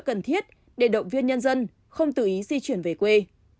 cần thiết để động viên nhân dân không tự ý di chuyển về quê